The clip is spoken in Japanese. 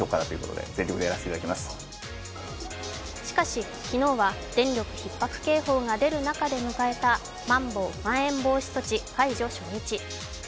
しかし昨日は電力需給ひっ迫警報が出る中で迎えたまん延防止措置解除初日。